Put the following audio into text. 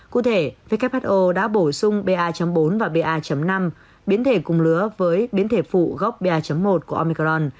cụ thể who đã bổ sung ba bốn và ba năm biến thể cùng lứa với biến thể phụ gốc ba một của omicron